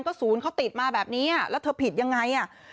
ก็ศูนย์เขาติดมาแบบนี้แล้วเธอผิดยังไงอ่ะ